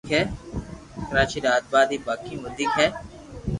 ڪراچي ري آبادي باقي مون وديڪ ھي